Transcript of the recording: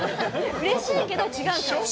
うれしいけど違うから。